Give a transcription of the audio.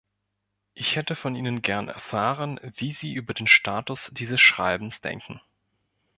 Ich hätte von Ihnen gern erfahren, wie Sie über den Status dieses Schreibens denken.